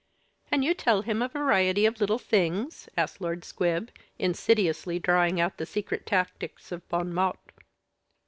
"And you tell him a variety of little things?" asked Lord Squib, insidiously drawing out the secret tactics of Bon Mot.